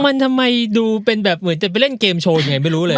มันทำไมเหมือนเป็นแบบเล่นเกมโชว์อยู่ไงไม่รู้เลย